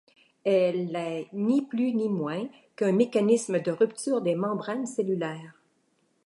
Elle est ni plus ni moins qu'un mécanisme de rupture des membranes cellulaires.